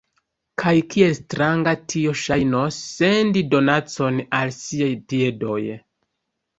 Kaj kiel stranga tio ŝajnos, sendi donacon al siaj piedoj!